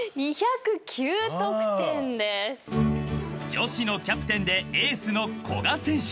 ［女子のキャプテンでエースの古賀選手］